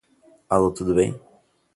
Alô, tudo bem?